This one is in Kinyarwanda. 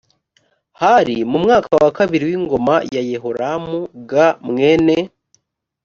hari mu mwaka wa kabiri w ingoma ya yehoramu g mwene